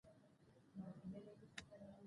تعلیم د ازادي راډیو د مقالو کلیدي موضوع پاتې شوی.